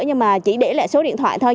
nhưng mà chỉ để lại số điện thoại thôi